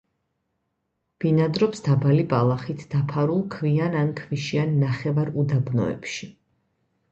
ბინადრობს დაბალი ბალახით დაფარულ, ქვიან ან ქვიშიან ნახევარუდაბნოებში.